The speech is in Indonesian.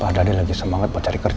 ada dia lagi semangat buat cari kerja